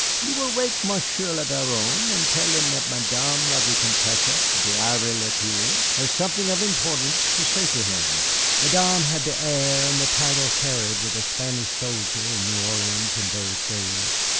"You will wake Monsieur le Baron, and tell him that Madame la Vicomtesse d'Ivry le Tour has something of importance to say to him." Madame had the air, and a title carried with a Spanish soldier in New Orleans in those days.